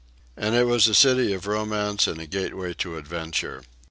And it was a city of romance and a gateway to adventure.